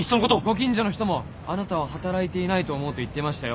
ご近所の人もあなたは働いていないと思うと言ってましたよ。